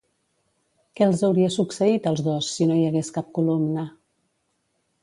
Què els hauria succeït als dos, si no hi hagués cap columna?